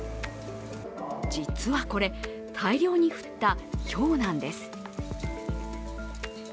実はこれ、大量に降ったひょうなんです。